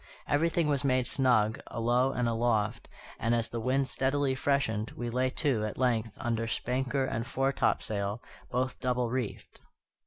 Everything was made snug, alow and aloft; and, as the wind steadily freshened, we lay to, at length, under spanker and foretopsail, both double reefed.